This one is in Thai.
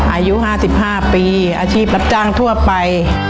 อายุ๕๕ปีอาชีพรับจ้างทั่วไป